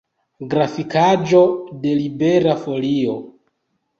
Grafikaĵo de Libera Folio.